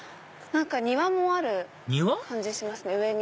庭もある感じしますね上に。